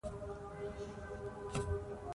افغانستان د هرات په برخه کې نړیوال شهرت لري.